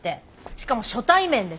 しかも初対面でさあ。